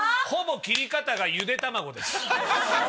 ほぼ切り方がゆで卵です。